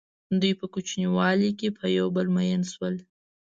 دوی په کوچنیوالي کې په یو بل مئین شول.